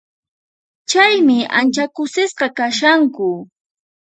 Chaymi ancha kusisqa kashanku.